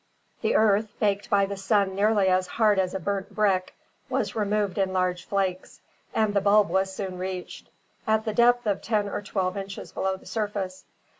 The earth, baked by the sun nearly as hard as a burnt brick, was removed in large flakes, and the bulb was soon reached, at the depth of ten or twelve inches below the surface.